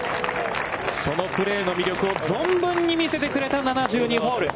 そのプレーの魅力を存分に見せてくれた７２ホール。